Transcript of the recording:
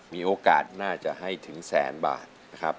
มีโอกาสน่าจะให้ถึงแสนบาทนะครับ